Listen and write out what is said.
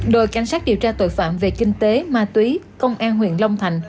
đội cảnh sát điều tra tội phạm về kinh tế ma túy công an huyện long thành